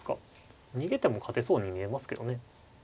逃げても勝てそうに見えますけどね。